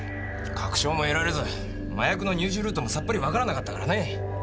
確証も得られず麻薬の入手ルートもさっぱりわからなかったからね。